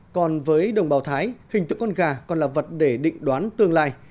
còn với đồng bào thái hình tượng con gà còn là vật để định đoán tương lai